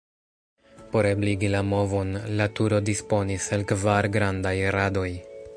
Por ebligi la movon, la turo disponis el kvar grandaj radoj.